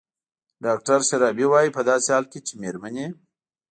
ډاکتر شرابي وايي په داسې حال کې چې مېرمنې